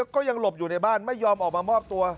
ก็ยังหลบอยู่ในบ้านไม่ยอมออกมามอบตัว